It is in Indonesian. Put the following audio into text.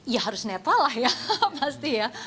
ya harus netral lah ya pasti ya